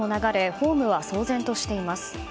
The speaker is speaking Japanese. ホームは騒然としています。